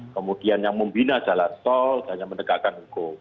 kemudian yang membina jalan sol dan yang mendekatkan hukum